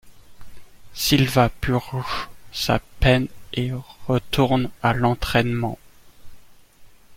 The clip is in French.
Silva purge sa peine et retourne à l'entrainement.